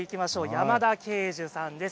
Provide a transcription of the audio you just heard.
山田圭寿さんです。